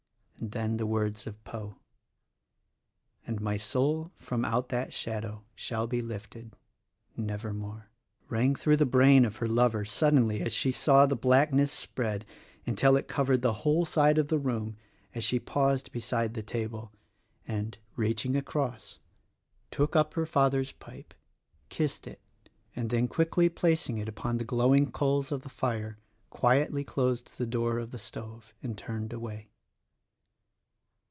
Then the words of Poe, "And my soul from out that shadow Shall be lifted — Nevermore," rang through the brain of her lover, suddenly, as he saw the blackness spread until it covered the whole side of the room as she paused beside the table — and, reaching across, THE RECORDING ANGEL 33 —took up her father's pipe, kissed it, and then quickly placing it upon the glowing coals of the fire quietly closed the door of the stove and turned away.